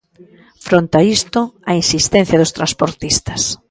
Fronte a isto, a insistencia dos transportistas.